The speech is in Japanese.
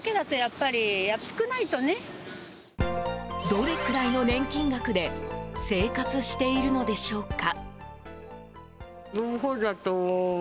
どれくらいの年金額で生活しているのでしょうか。